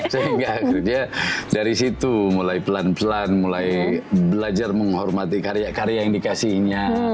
sehingga akhirnya dari situ mulai pelan pelan mulai belajar menghormati karya karya yang dikasihnya